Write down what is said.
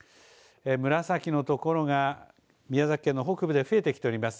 紫の所が宮崎県の北部で増えてきております。